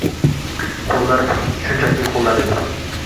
Qo’llar, shunchaki qo’llar edi